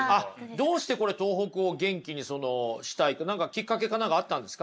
どうしてこれ東北を元気にしたいって何かきっかけか何かあったんですか？